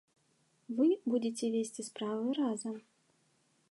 Вы будзеце весці справы разам.